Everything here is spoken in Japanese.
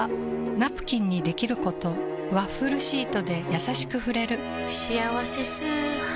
ナプキンにできることワッフルシートでやさしく触れる「しあわせ素肌」